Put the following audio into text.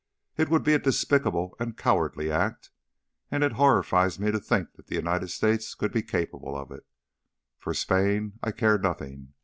It would be a despicable and a cowardly act, and it horrifies me to think that the United States could be capable of it. For Spain I care nothing.